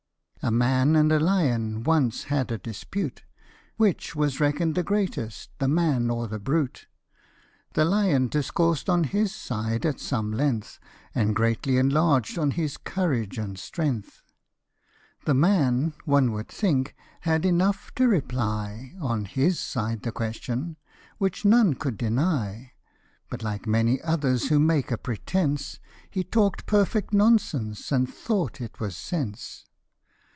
A MAN and a lion once had a dispute, Which was reckoned the greatest, the man or the brute , The lion discoursed on his side at some length, And greatly enlarged on his courage and strength. The man, one would think, had enough to reply On his side the question, which none could deny ; But, like many others who make a pretence, He talk'd perfect nonsense and thought it was sense.